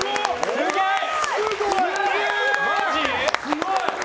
すごい！